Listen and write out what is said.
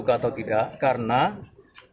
dari luka kita tidak bisa ketahui apakah hal itu berlaku